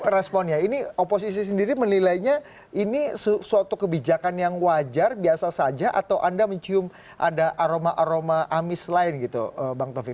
responnya ini oposisi sendiri menilainya ini suatu kebijakan yang wajar biasa saja atau anda mencium ada aroma aroma amis lain gitu bang taufik